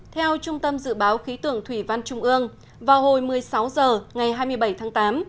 theo trung tâm dự báo khí tượng thủy văn trung ương vào hồi một mươi sáu h ngày hai mươi bảy tháng tám